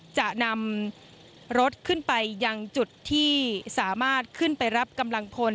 จะนำรถขึ้นไปยังจุดที่สามารถขึ้นไปรับกำลังพล